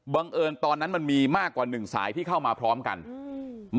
เอิญตอนนั้นมันมีมากกว่าหนึ่งสายที่เข้ามาพร้อมกันอืม